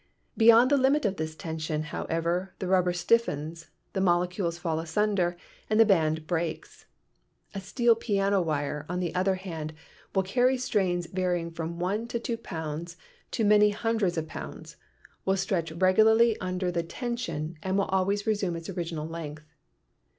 Beyond the limit of this tension, however, the rubber stiffens, the molecules fall asunder and the band breaks. A steel piano wire, on the other hand, will carry strains varying from one or two pounds to many hundreds of pounds, will stretch regularly under the tension and THE PROPERTIES OF MATTER 31 will always resume its original length.